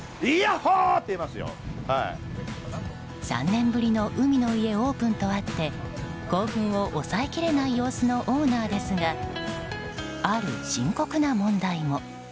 ３年ぶりの海の家オープンとあって興奮を抑えきれない様子のオーナーですがある深刻な問題も。